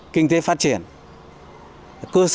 kinh tế phát triển của xã nhà đã được đổi mới rõ rệt